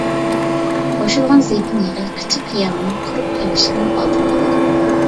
قوشۇلغان زەيتۇن يېغى قىچا قىيامىنىڭ قۇرۇپ قېلىشىنىڭ ئالدىنى ئالىدۇ.